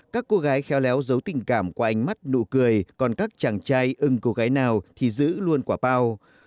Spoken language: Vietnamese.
các cô gái khéo léo giấu tình cảm qua ánh mắt nụ cười còn các chàng trai ưng cô gái nào thì giữ luôn quả bao